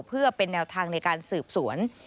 เพื่อเป็นแนวทางในการสืบสวน